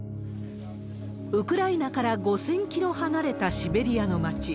ウクライナから５０００キロ離れたシベリアの町。